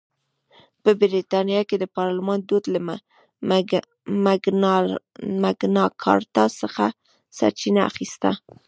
په برېټانیا کې د پارلمان دود له مګناکارتا څخه سرچینه اخیسته.